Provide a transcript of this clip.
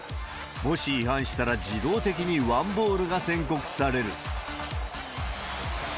もし違反したら自動的にワンボールが宣告される。